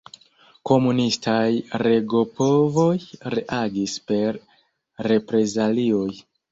Komunistaj regopovoj reagis per reprezalioj.